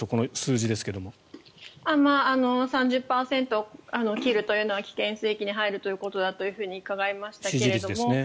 支持率が３０％を切るというのは危険水域に入るということだと伺いましたが。